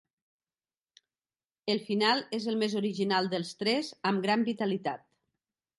El final és el més original dels tres amb gran vitalitat.